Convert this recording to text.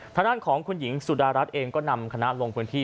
ทางด้านของคุณหญิงสุดารัฐเองก็นำคณะลงพื้นที่